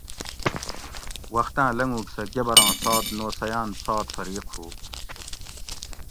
وختاں لنگوگ سہ گبراں سات نوسیان سات فریق ھو